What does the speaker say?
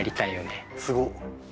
すごっ！